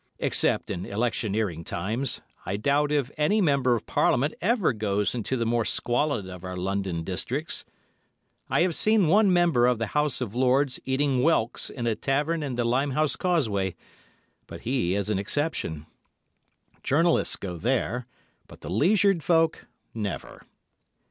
Except in electioneering times, I doubt if any Member of Parliament ever goes into the more squalid of our London districts. I have seen one Member of the House of Lords eating whelks in a tavern in the Limehouse Causeway, but he is an exception. Journalists go there—but the leisured folk—never.